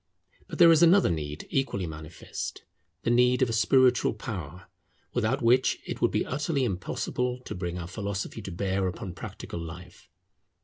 But there is another need equally manifest, the need of a spiritual power, without which it would be utterly impossible to bring our philosophy to bear upon practical life.